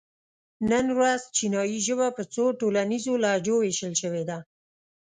نن ورځ چینایي ژبه په څو ټولنیزو لهجو وېشل شوې ده.